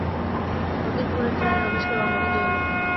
পরদিন ভোরের ট্রেনে রমেশকে রওনা হইতে হইল।